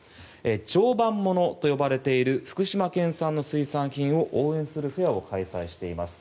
常磐ものと呼ばれている福島県産の水産品を応援するフェアを開催しています。